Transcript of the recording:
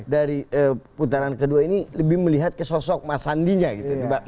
dari putaran kedua ini lebih melihat ke sosok mas sandinya gitu